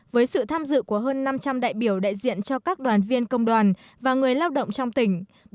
với sự tham dự của hơn năm trăm linh đại biểu đại diện cho các đoàn viên công đoàn và người lao động trong tỉnh